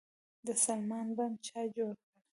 د سلما بند چا جوړ کړ؟